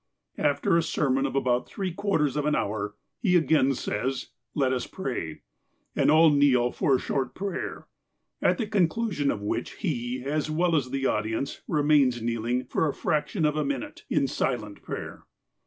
After a sermon, of about three quarters of an hour, he again says: ''Let us pray," and all kneel for a short prayer, at the conclusion of which, he, as well as the audience, remains kneeling for a fraction of a minute, in silent prayer.